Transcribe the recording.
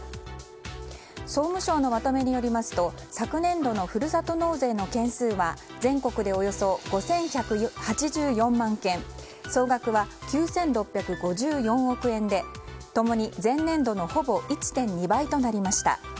総務省のまとめによりますと昨年度のふるさと納税の件数は全国でおよそ５１８４万件総額は９６５４億円で共に前年度のほぼ１．２倍となりました。